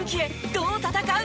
どう戦う？